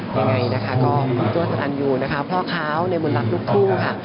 ยังไงนะคะก็คือตัวสนั่นอยู่นะคะพ่อค้าวในมลับลูกคู่ค่ะ